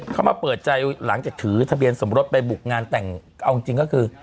เขามาเปิดใจหลังจากถือทะเบียนสมรสไปบุกงานแต่งเอาจริงก็คือ